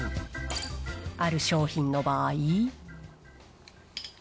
ある商品の場合。